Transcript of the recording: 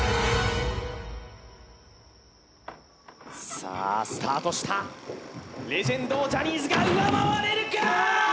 さあスタートしたレジェンドをジャニーズが上回れるか？